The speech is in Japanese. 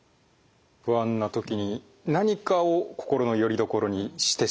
不安な時に何かを心のよりどころにしてしまうと。